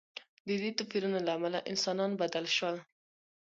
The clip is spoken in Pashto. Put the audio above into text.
د دې توپیرونو له امله انسانان بدل شول.